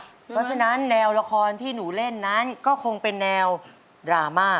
เพราะฉะนั้นแนวละครที่หนูเล่นนั้นก็คงเป็นแนวดราม่า